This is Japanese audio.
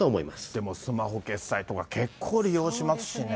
でもスマホ決済とか、結構、利用しますしね。